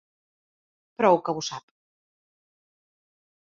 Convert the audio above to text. Prou que ho sap.